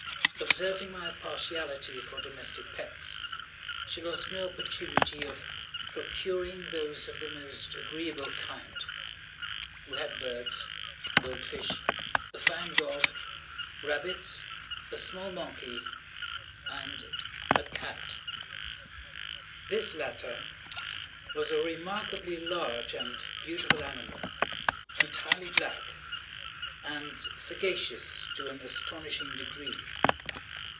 Observing my partiality for domestic pets, she lost no opportunity of procuring those of the most agreeable kind. We had birds, gold fish, a fine dog, rabbits, a small monkey, and a cat. This latter was a remarkably large and beautiful animal, entirely black, and sagacious to an astonishing degree.